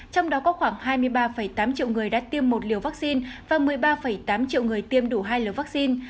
trong đó có khoảng hai mươi ba tám triệu người đã tiêm một liều vaccine và một mươi ba tám triệu người tiêm đủ hai liều vaccine